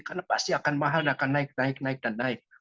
karena pasti akan mahal dan akan naik naik naik dan naik